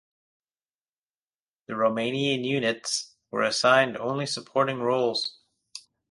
The Romanian units were assigned only supporting roles.